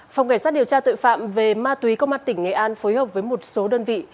phòng cảnh sát điều tra tội phạm về ma túy công an tỉnh nghệ an phối hợp với một số đơn vị